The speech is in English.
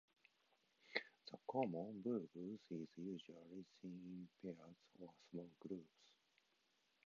The common bulbul is usually seen in pairs or small groups.